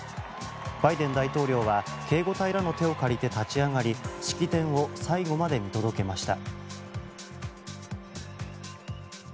バイデン大統領は警護隊らの手を借りて立ち上がり式典を最後まで見届けました。